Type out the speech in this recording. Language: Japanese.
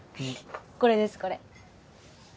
これですこれ。